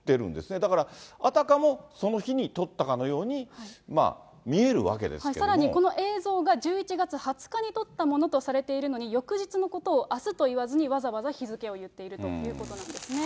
だから、あたかもその日に撮ったかのように見えるわけですけれどさらにこの映像が、１１月２０日に撮ったものとされているのに、翌日のことをあすと言わずに、わざわざ日付を言っているということなんですね。